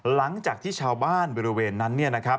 หลังจากที่ชาวบ้านบริเวณนั้น